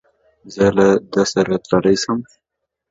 زه له ده سره تللای سم؟